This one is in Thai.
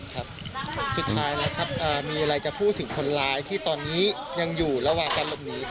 สุดท้ายนะครับมีอะไรจะพูดถึงคนร้ายที่ตอนนี้ยังอยู่ระหว่างการหลบหนี